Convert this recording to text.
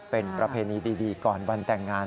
เป็นประเพณีดีก่อนวันแต่งงาน